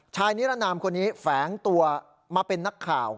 นิรนามคนนี้แฝงตัวมาเป็นนักข่าว